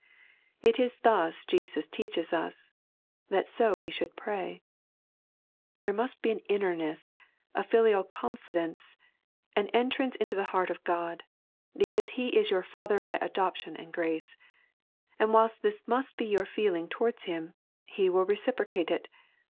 It is thus JesQs teaches us, that so we should pray. There must be an Innemees, a filial confidence, an entrance into the heart of God, because He is your Father by adoption and grace. And whilst this must be your feeling towards Him, He will reciprocate it.